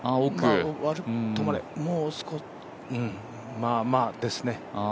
まあまあですね。